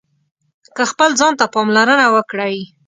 که خپل ځان ته پاملرنه وکړئ